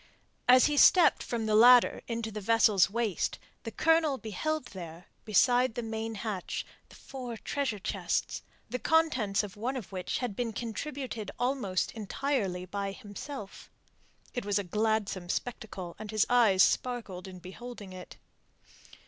As he stepped from the ladder into the vessel's waist, the Colonel beheld there, beside the main hatch, the four treasure chests, the contents of one of which had been contributed almost entirely by himself. It was a gladsome spectacle, and his eyes sparkled in beholding it.